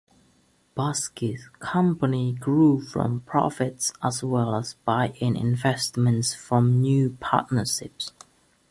Boesky's company grew from profits as well as buy-in investments from new partnerships.